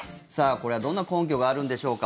これはどんな根拠があるんでしょうか。